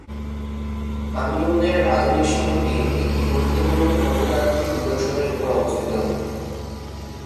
আমিয়ুনের আধুনিক শহরটি একটি গুরুত্বপূর্ণ প্রত্নতাত্ত্বিক নিদর্শনের উপর অবস্থিত।